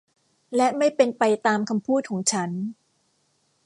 และไม่เป็นไปตามคำพูดของฉัน